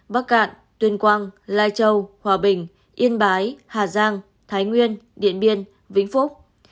bắc cạn tuyên quang lai châu hòa bình yên bái hà giang thái nguyên điện biên vĩnh phúc